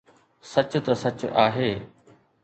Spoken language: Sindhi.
سچ ته سچ آهي